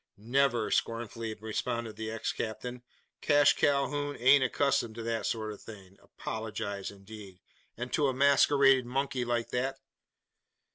"Never!" scornfully responded the ex captain. "Cash Calhoun ain't accustomed to that sort of thing. Apologise indeed! And to a masquerading monkey like that!"